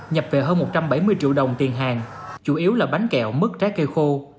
nhập về hơn một trăm bảy mươi triệu đồng tiền hàng chủ yếu là bánh kẹo mứt trái cây khô